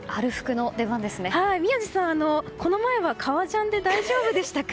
宮司さん、この前は革ジャンで大丈夫でしたか？